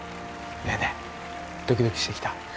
ねえねえドキドキしてきた？